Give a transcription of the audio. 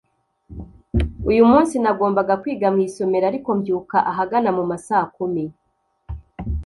Uyu munsi nagombaga kwiga mu isomero ariko mbyuka ahagana mu ma saa kumi